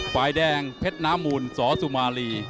ฝ่ายแดงเพชรน้ำมูลสอสุมารี